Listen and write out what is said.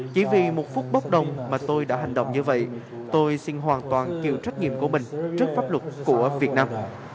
chỉ vì một phút bốc đồng mà tôi đã hành động như vậy tôi xin hoàn toàn chịu trách nhiệm của mình trước pháp luật của việt nam